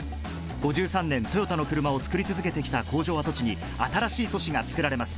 ５３年トヨタのクルマを作り続けてきた工場跡地に新しい都市がつくられます